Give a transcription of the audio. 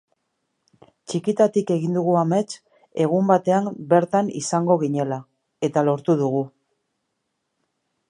Txikitatik egin dugu amets egun batean bertan izango ginela, eta lortu dugu.